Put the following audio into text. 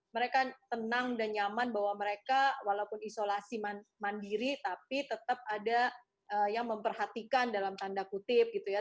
mereka tenang dan nyaman bahwa mereka walaupun isolasi mandiri tapi tetap ada yang memperhatikan dalam tanda kutip gitu ya